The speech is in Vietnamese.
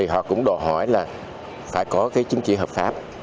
họ cũng đòi hỏi là phải có cái chứng chỉ hợp pháp